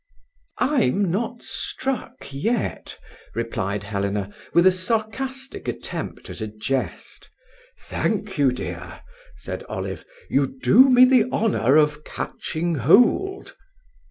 "I'm not struck yet," replied Helena, with a sarcastic attempt at a jest. "Thank you, dear," said Olive; "you do me the honour of catching hold."